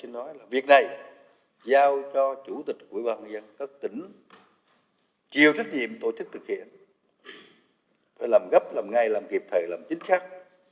nói là việc này giao cho chủ tịch quỹ bà các tỉnh chịu trách nhiệm tổ chức thực hiện phải làm gấp làm ngay làm kịp thời làm chính xác